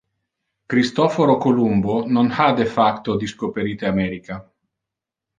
Christophoro Columbo non ha de facto discoperite America.